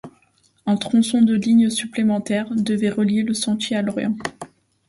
Un tronçon de ligne supplémentaire devait relier Le Sentier à L'Orient.